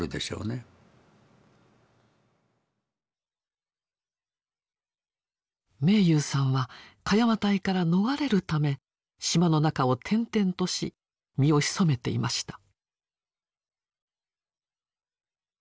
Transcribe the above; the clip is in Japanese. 逆にあの明勇さんは鹿山隊から逃れるため島の中を転々とし身を潜めていました。